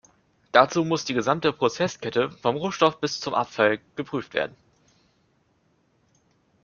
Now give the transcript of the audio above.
Dazu muss die gesamte Prozesskette, vom Rohstoff bis zum Abfall, geprüft werden.